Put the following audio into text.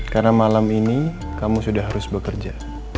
karena malam ini kamu sudah harus bekerja